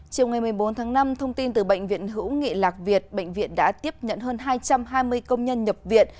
chiều ngày một mươi bốn tháng năm thông tin từ bệnh viện hữu nghị lạc việt bệnh viện đã tiếp nhận hơn hai trăm hai mươi công nhân nhập viện